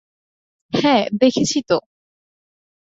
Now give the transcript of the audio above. হ্যাঁ, দেখেছি তো।